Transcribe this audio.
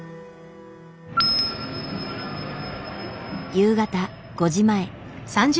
夕方５時前。